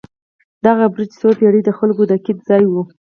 دغه برج څو پېړۍ د خلکو د قید ځای و.